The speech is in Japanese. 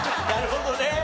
なるほどね。